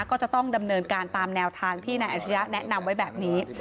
ก็จะต้องดำเนินการตามแนวทางที่นายอัจฉริยะแนะนำไว้แบบนี้